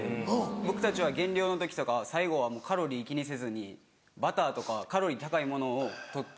僕たちは減量の時とかは最後はカロリー気にせずにバターとかカロリー高いものを取って。